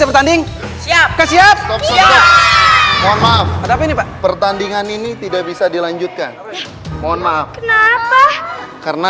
pertanding siap siap mohon maaf pertandingan ini tidak bisa dilanjutkan mohon maaf karena